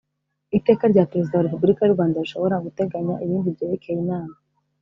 Iteka rya Perezida wa Repubulika y u Rwanda rishobora guteganya ibindi byerekeye Inama